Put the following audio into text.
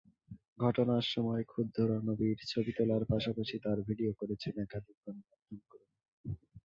ঘটনার সময় ক্ষুব্ধ রণবীরের ছবি তোলার পাশাপাশি তাঁর ভিডিও করেছেন একাধিক গণমাধ্যমকর্মী।